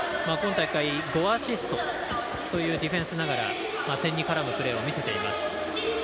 今大会、５アシストというディフェンスながら点に絡むプレーを見せています。